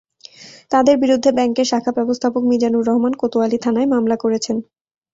তাঁদের বিরুদ্ধে ব্যাংকের শাখা ব্যবস্থাপক মিজানুর রহমান কোতোয়ালি থানায় মামলা করেছেন।